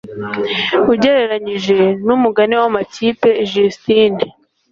ugereranije numugani wamakipe Just ine